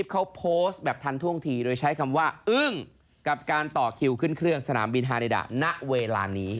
เขาโพสต์แบบทันท่วงทีโดยใช้คำว่าอึ้งกับการต่อคิวขึ้นเครื่องสนามบินฮาเดดะณเวลานี้